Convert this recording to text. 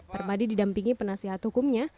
permadi didampingi penasihat hukumnya